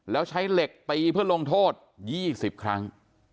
แล้วใช้เหล็กตีเพื่อลงโทษ๒๐ครั้ง